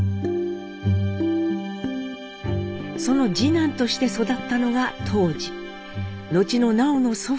その次男として育ったのが東二後の南朋の祖父です。